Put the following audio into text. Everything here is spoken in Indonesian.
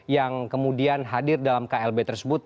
yang kemudian hadir dalam klb tersebut